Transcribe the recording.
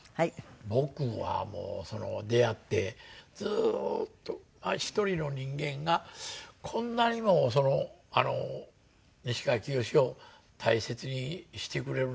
僕はもう出会ってずっと１人の人間がこんなにも西川きよしを大切にしてくれるのかな。